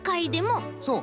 そう。